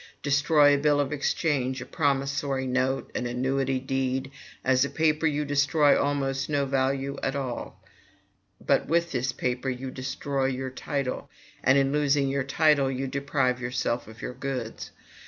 Destroy a bill of exchange, a promissory note, an annuity deed, as a paper you destroy almost no value at all; but with this paper you destroy your title, and, in losing your title, you deprive yourself of your goods.